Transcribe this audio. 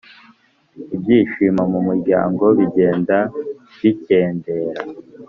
ibyishimo mu muryango bigenda bikendera.